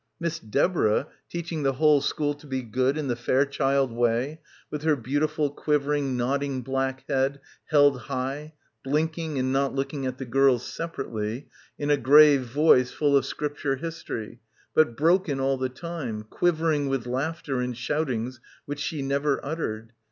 Miss Deborah, ... teaching the whole school to be 'good' in the Fairchild way ; with her beauti ful quivering nodding black head held high — blinking, and not looking at the girls separately — in a grave voice, full of Scripture history, but broken all the time, quivering with laughter and shoutings which she never uttered